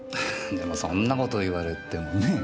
でもそんな事言われてもねえ？